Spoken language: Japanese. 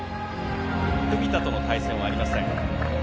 文田との対戦はありません。